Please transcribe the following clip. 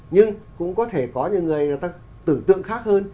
nhưng cũng có thể có những người tưởng tượng khác hơn